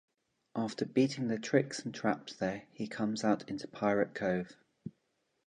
After beating the tricks and traps there, he comes out into Pirate Cove.